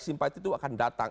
simpati itu akan datang